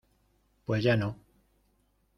pues ya no.